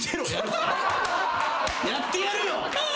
やってやるよ。